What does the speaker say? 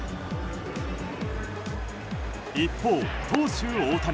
一方、投手・大谷。